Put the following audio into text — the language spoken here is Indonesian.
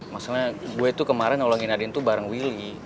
maksudnya gue tuh kemarin nolongin nadine tuh bareng willy